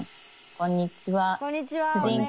こんにちは。